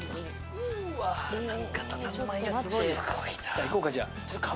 さあ行こうかじゃあ。